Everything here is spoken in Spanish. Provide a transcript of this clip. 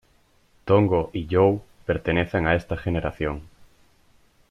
Tongo y Joe pertenecen a esta generación.